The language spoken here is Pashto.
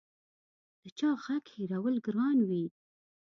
د چا غږ هېرول ګران وي